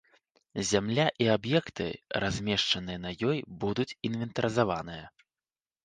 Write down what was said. Зямля і аб'екты, размешчаныя на ёй, будуць інвентарызаваныя.